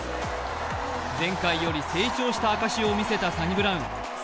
前回より成長した証しを見せたサニブラウン。